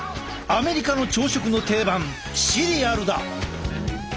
アメリカの朝食の定番シリアルだ！